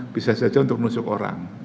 bisa saja untuk menusuk orang